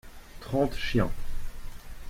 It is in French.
trente chiens.